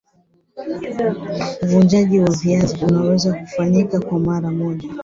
uvunaji wa viazi unawez kufanyika kwa mara moja